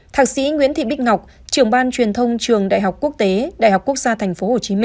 thạc sĩ nguyễn thị bích ngọc trưởng ban truyền thông trường đại học quốc tế đại học quốc gia tp hcm